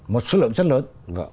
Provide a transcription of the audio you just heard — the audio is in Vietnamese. một số lượng rất lớn